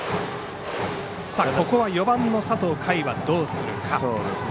ここは４番の佐藤海はどうするか。